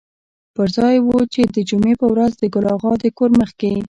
پر ځای و چې د جمعې په ورځ د ګل اغا د کور مخکې.